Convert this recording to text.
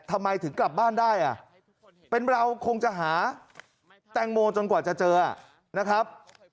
ทำไมถึงกลับบ้านได้อ่ะเป็นเราคงจะหาแตงโมจนกว่าจะเจอนะครับ